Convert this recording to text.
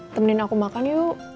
temenin aku makan yuk